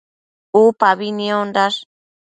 Upabi niondash